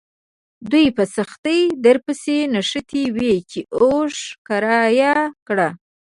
دوی په سختۍ درپسې نښتي وي چې اوښ کرایه کړه.